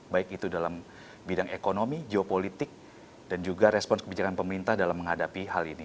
baik itu dalam bidang ekonomi geopolitik dan juga respon kebijakan pemerintah dalam menghadapi hal ini